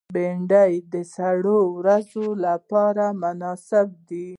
بېنډۍ د سړو ورځو لپاره مناسبه ده